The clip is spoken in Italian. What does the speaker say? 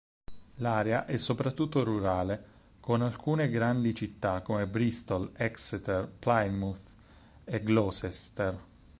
L'area è soprattutto rurale, con alcune grandi città, come Bristol, Exeter, Plymouth e Gloucester.